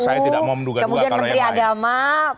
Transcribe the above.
iya saya tidak mau menduga duga kalau yang lain